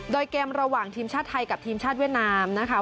โดยเกมระหว่างทีมชาติไทยกับทีมชาติเวียดนามนะคะ